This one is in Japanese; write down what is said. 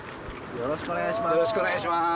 よろしくお願いします。